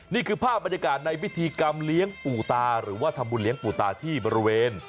นี่คือภาพบรรยากาศในพิธีกรรมเลี้ยงปู่ตาหรือว่าทำบุญเลี้ยงปู่ตาที่บริเวณ